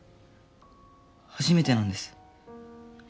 初めてなんです